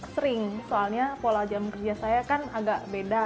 sering soalnya pola jam kerja saya kan agak beda